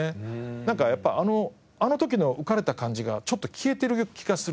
なんかやっぱあの時の浮かれた感じがちょっと消えてる気がするんですよね。